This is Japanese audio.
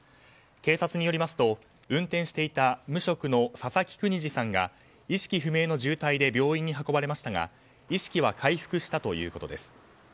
警察によりますと、運転していた無職の佐々木邦次さんが意識不明の重体で病院に運ばれましたが意識は回復したということです。